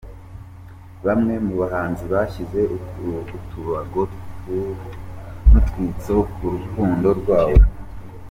Bamwe mu bahanzi bashyize utubago n’utwitso ku rukundo rwabo:.